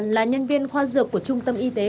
là nhân viên khoa dược của trung tâm y tế